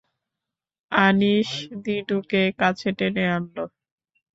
আনিস দিনুকে কাছে টেনে আনল।